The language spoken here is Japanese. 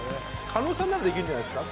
狩野さんならできるんじゃないですか？